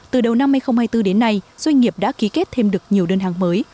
từ đầu năm hai nghìn hai mươi bốn đến nay doanh nghiệp đã ký kết thêm được nhiều đơn hàng mới